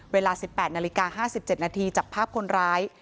เวลา๑๘นาฬิกา๕๗นาทีจับภาพคนร้าย